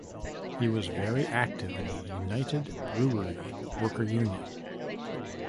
He was very active in the United Brewery Worker Union.